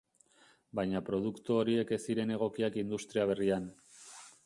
Baina produktu horiek ez ziren egokiak industria berrian.